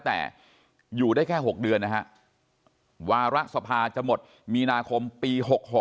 แต่อยู่ได้แค่๖เดือนนะฮะวาระสภาจะหมดมีนาคมปี๖๖